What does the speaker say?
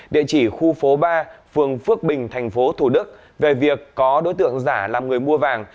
địa chỉ khu phố ba phường phước bình tp thủ đức về việc có đối tượng giả làm người mua vàng